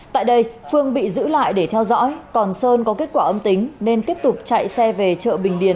tại đây phương bị giữ lại để theo dõi còn sơn có kết quả âm tính nên tiếp tục chạy xe về chợ bình điền